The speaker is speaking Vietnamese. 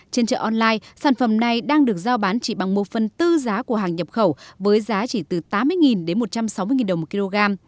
trên chợ online sản phẩm này đang được giao bán chỉ bằng một phần tư giá của hàng nhập khẩu với giá chỉ từ tám mươi đến một trăm sáu mươi đồng một kg